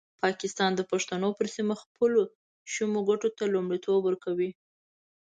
پاکستان د پښتنو پر سیمه خپلو شومو ګټو ته لومړیتوب ورکوي.